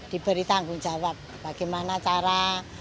diberi tanggung jawab bagaimana cara